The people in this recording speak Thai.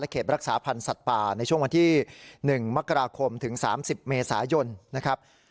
และเขตรักษาพันธ์สัตว์ป่าในช่วงวันที่หนึ่งมกราคมถึงสามสิบเมษายนนะครับ